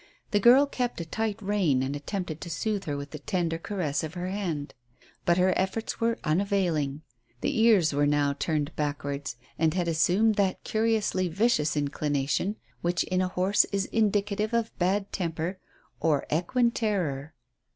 The girl kept a tight rein and attempted to soothe her with the tender caress of her hand; but her efforts were unavailing. The ears were now turned backwards, and had assumed that curiously vicious inclination which in a horse is indicative of bad temper or equine terror.